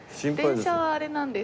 電車はあれなんです。